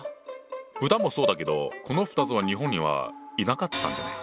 豚もそうだけどこの２つは日本にはいなかったんじゃない？